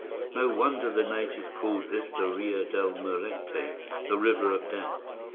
No wonder the natives called this the Rio Del Muerte, the River of Death!